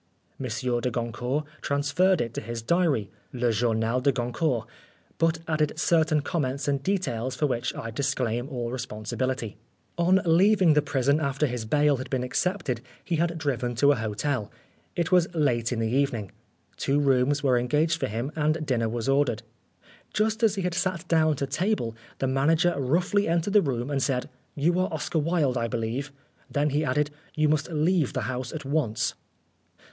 M. de Goncourt transferred it to his diary, Le Journal des Goncourt, but added certain comments and details for which I disclaim all responsibility. Oscar Wilde On leaving the prison after his bail had been accepted, he had driven to an hotel. It was late in the evening. Two rooms were engaged for him and dinner was ordered. Just as he had sat down to table, the manager roughly entered the room and said, "You are Oscar Wilde, I believe." Then he added, " You must leave the house at once."